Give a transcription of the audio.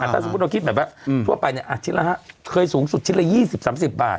ถ้าสมมุติเราคิดแบบว่าทั่วไปเนี่ยชิ้นละเคยสูงสุดชิ้นละ๒๐๓๐บาท